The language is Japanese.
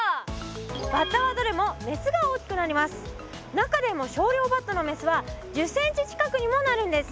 中でもショウリョウバッタのメスは１０ｃｍ近くにもなるんです。